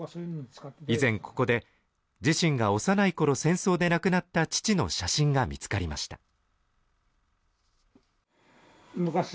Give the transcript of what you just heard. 以前、ここで自身が幼いころ戦争で亡くなった父の写真が見つかりました。